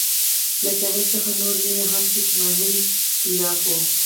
له ساحل څخه نور هم لیري شوو چې ماهي ومومو.